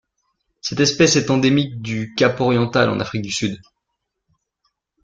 Cette espèce est endémique du Cap-Oriental en Afrique du Sud..